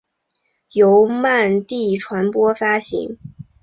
由曼迪传播发行。